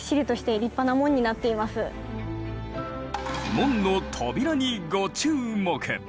門の扉にご注目！